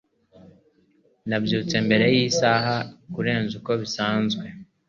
Nabyutse mbere y'isaha kurenza uko bisanzwe.